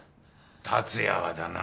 達也はだな。